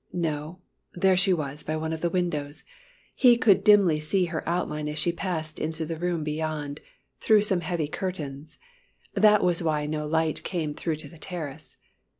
No, there she was by one of the windows; he could dimly see her outline as she passed into the room beyond, through some heavy curtains. That was why no light came through to the terrace.